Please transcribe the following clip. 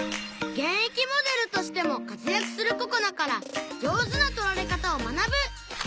現役モデルとしても活躍するここなから上手な撮られ方を学ぶ！